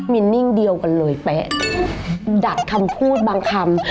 มีนิ่งเดียวกันเลยเป๊ะดักคำพูดบางคำ